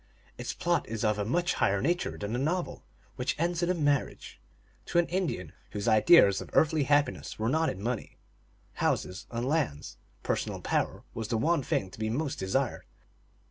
Its plot is of a much higher nature than a novel, which ends in a marriage. To an Indian, whose ideas of earthly happiness were not in money, houses, and lands, personal power was the one thing to be most desired.